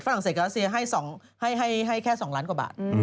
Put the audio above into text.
ฝรัศกับรัสเซียให้แค่๒ล้านกว่าบาท